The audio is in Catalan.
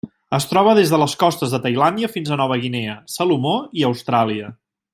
Es troba des de les costes de Tailàndia fins a Nova Guinea, Salomó i Austràlia.